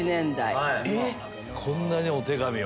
こんなにお手紙を。